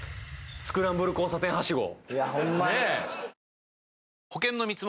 スクランブル交差点ハシゴ